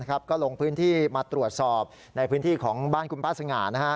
ก็ลงพื้นที่มาตรวจสอบในพื้นที่ของบ้านคุณป้าสง่านะฮะ